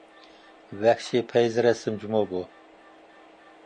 ۋەھشىي پەيزى رەسىم جۇمۇ بۇ!